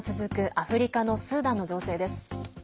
アフリカのスーダンの情勢です。